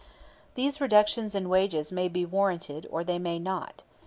These reductions in wages may be warranted, or they may not.